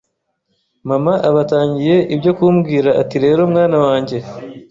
mama aba atangiye ibyo ku mubwira ati rero mwana wanjye